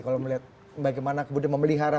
kalau melihat bagaimana kemudian memelihara